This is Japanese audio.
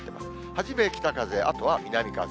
初め北風、あとは南風。